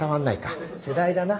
世代だな。